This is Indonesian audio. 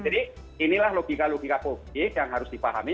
jadi inilah logika logika publik yang harus dipahami